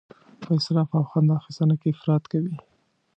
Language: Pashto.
په اسراف او خوند اخیستنه کې افراط کوي.